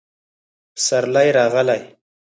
پسرلی راغلی